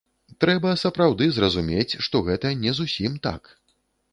Трэба сапраўды зразумець, што гэта не зусім так.